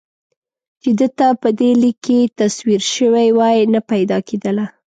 چې ده ته په دې لیک کې تصویر شوې وای نه پیدا کېدله.